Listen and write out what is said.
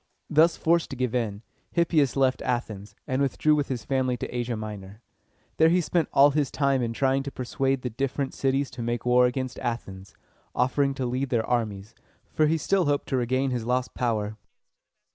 Thus forced to give in, Hippias left Athens, and withdrew with his family to Asia Minor. Here he spent all his time in trying to persuade the different cities to make war against Athens, offering to lead their armies, for he still hoped to regain his lost power.